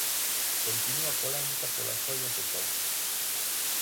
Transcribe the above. Continúa a polémica polas xoias de Tous.